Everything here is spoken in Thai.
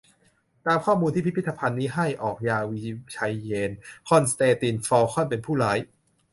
ตามข้อมูลที่พิพิธภัณฑ์นี้ให้ ออกญาวิไชเยนทร์ คอนสแตนติน ฟอลคอน เป็นผู้ร้าย